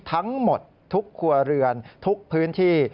ทั้งหมดทุกครัวเรือนทุกพื้นที่